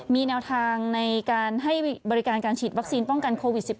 มีแนวทางในการให้บริการการฉีดวัคซีนป้องกันโควิด๑๙